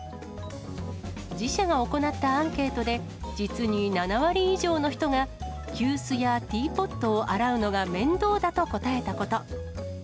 自社が行ったアンケートで、実に７割以上の人が、急須やティーポットを洗うのが面倒だと答えたこと。